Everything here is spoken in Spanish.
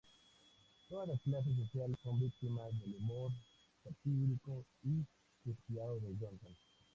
Todas las clases sociales son víctimas del humor satírico y despiadado de Jonson.